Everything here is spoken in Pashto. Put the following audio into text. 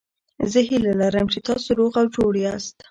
زه هیله لرم چې تاسو روغ او جوړ یاست.